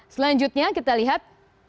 selanjutnya kita lihat